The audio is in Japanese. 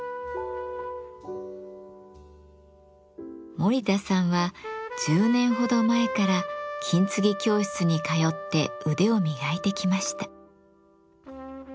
森田さんは１０年ほど前から金継ぎ教室に通って腕を磨いてきました。